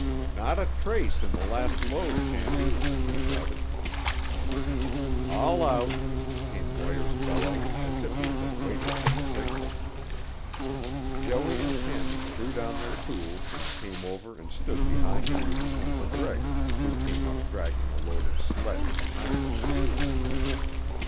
"Not a trace in the last load, Shanty!" he shouted. "All out!" came Moir's bellow, as if he had been waiting for the signal. Joey and Tammy threw down their tools and came over and stood behind Reivers and MacGregor who came up dragging a loaded sledge behind them.